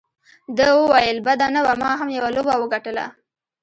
ده وویل: بده نه وه، ما هم یوه لوبه وګټله.